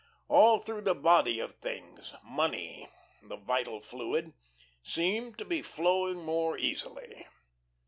All through the Body of Things, money, the vital fluid, seemed to be flowing more easily.